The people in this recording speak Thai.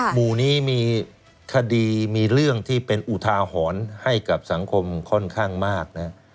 หมู่นี้มีคดีมีเรื่องที่เป็นอุทาหรณ์ให้กับสังคมค่อนข้างมากนะ